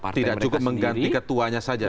mereka sendiri tidak cukup mengganti ketuanya saja